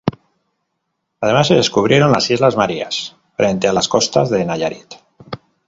Además se descubrieron las Islas Marías frente a las costas de Nayarit.